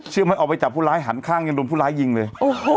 ออกไปจับผู้ร้ายหันข้างยังโดนผู้ร้ายยิงเลย